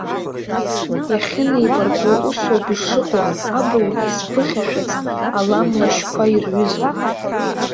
Иахьынеибарку усоуп ишыҟоу, абаҩ зԥыхьашәаз ала-млашьқәа ирҩызоуп.